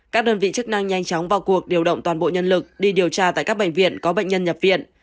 các đơn vị chức năng nhanh chóng vào cuộc điều động toàn bộ nhân lực đi điều tra tại các bệnh viện có bệnh nhân nhập viện